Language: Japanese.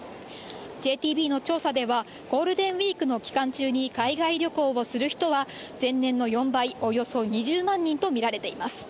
ＪＴＢの調査では、ゴールデンウィークの期間中に海外旅行をする人は、前年の４倍、およそ２０万人と見られています。